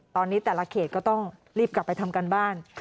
ตอนนี้แต่ละเขตก็ต้องรีบกลับไปทำการบ้าน